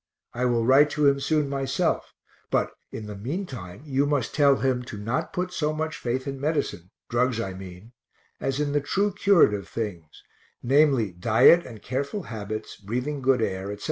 I will write to him soon myself, but in the meantime you must tell him to not put so much faith in medicine drugs, I mean as in the true curative things; namely, diet and careful habits, breathing good air, etc.